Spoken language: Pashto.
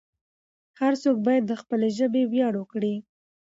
هر څوک باید د خپلې ژبې ویاړ وکړي.